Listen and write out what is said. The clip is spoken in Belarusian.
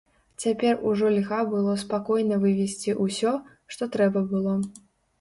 Цяпер ужо льга было спакойна вывезці ўсё, што трэба было.